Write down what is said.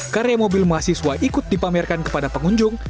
karya mobil mahasiswa ikut dipamerkan kepada pengunjung